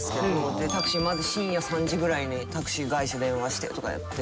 でタクシーまず深夜３時ぐらいにタクシー会社電話してとかやって。